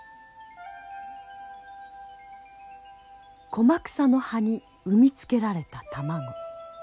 コマクサの葉に産み付けられた卵。